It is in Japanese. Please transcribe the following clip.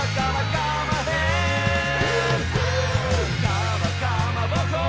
「かまかまぼこ」